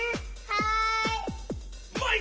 はい！